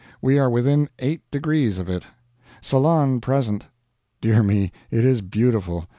We are within eight degrees of it. Ceylon present. Dear me, it is beautiful!